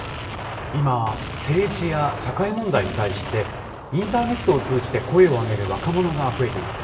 今、政治や社会問題に対して、インターネットを通じて声を上げる若者が増えています。